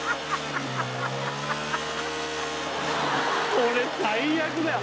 これ最悪だよ